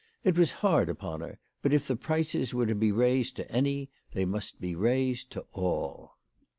It was hard upon her ; but if the prices were to be raised to any, they must be raised to all.